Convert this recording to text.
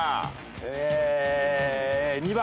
え２番。